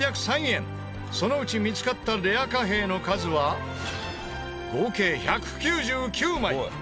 そのうち見つかったレア貨幣の数は合計１９９枚。